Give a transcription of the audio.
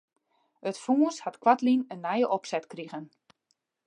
It fûns hat koartlyn in nije opset krigen.